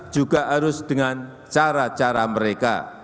juga harus dengan cara cara mereka